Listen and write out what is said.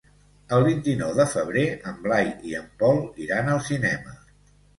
El vint-i-nou de febrer en Blai i en Pol iran al cinema.